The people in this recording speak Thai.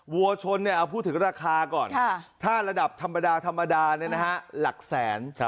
วัวชนเอาพูดถึงราคาก่อนถ้าระดับธรรมดาธรรมดาหลักแสน